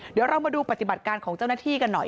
เดี๋ยวเรามาดูปฏิบัติการของเจ้าหน้าที่กันหน่อย